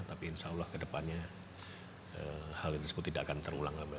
tapi insya allah kedepannya hal tersebut tidak akan terulang lagi